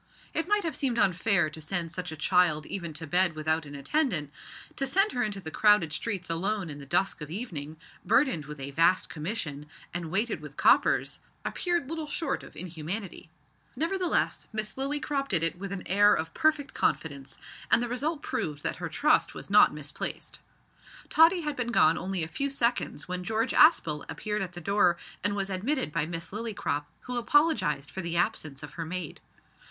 It might have seemed unfair to send such a child even to bed without an attendant. To send her into the crowded streets alone in the dusk of evening, burdened with a vast commission, and weighted with coppers, appeared little short of inhumanity. Nevertheless Miss Lillycrop did it with an air of perfect confidence, and the result proved that her trust was not misplaced. Tottie had been gone only a few seconds when George Aspel appeared at the door and was admitted by Miss Lillycrop, who apologised for the absence of her maid.